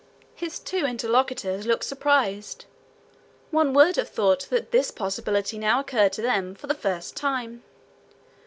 His two interlocutors looked surprised. One would have thought that this possibility now occurred to them for the first time.